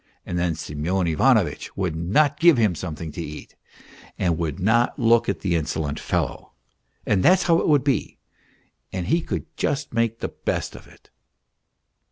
" and then Semyon Ivanovitch would not give him something to eat, and would not look at the insolent fellow ; and that's how it would be, and he could just make the best of it.